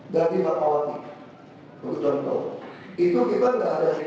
tapi dia juga kaki sari